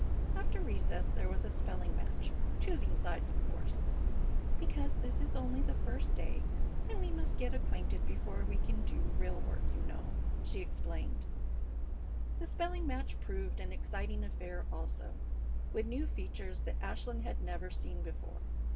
After recess there was a spelling match, choosing sides, of course, "Because this is only the first day, and we must get acquainted before we can do real work, you know," she explained. The spelling match proved an exciting affair also, with new features that Ashland had never seen before.